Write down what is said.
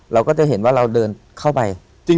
เราก็จะเห็นว่าเราเดินเข้าไป